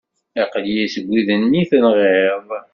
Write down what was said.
Aqli-yi seg wid-nni tenɣiḍ.